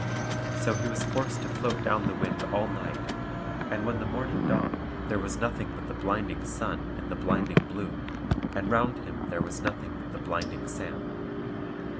So he was forced to float down the wind all night; and when the morning dawned there was nothing but the blinding sun in the blinding blue; and round him there was nothing but the blinding sand.